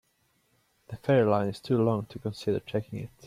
The ferry line is too long to consider taking it.